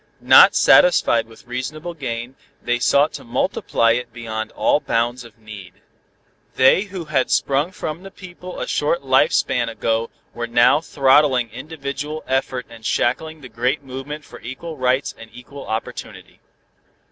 Not satisfied with reasonable gain, they sought to multiply it beyond all bounds of need. They who had sprung from the people a short life span ago were now throttling individual effort and shackling the great movement for equal rights and equal opportunity."